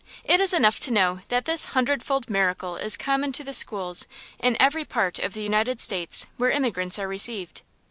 It is enough to know that this hundred fold miracle is common to the schools in every part of the United States where immigrants are received.